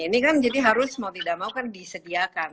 ini kan jadi harus mau tidak mau kan disediakan